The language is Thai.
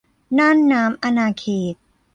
น่านน้ำอาณาเขต